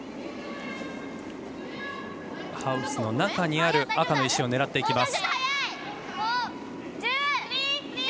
ハウスの中にある赤の石を狙っていきます。